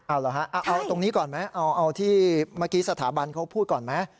เอาเหรอฮะเอาตรงนี้ก่อนไหมเอาที่เมื่อกี้สถาบันเขาพูดก่อนไหม